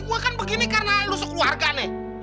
gue kan begini karena lo sekeluarga nih